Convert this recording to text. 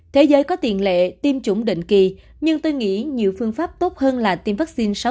thế giới có tiền lệ tiêm chủng định kỳ nhưng tôi nghĩ nhiều phương pháp tốt hơn là tiêm vaccine sáu